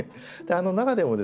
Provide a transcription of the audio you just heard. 中でもですね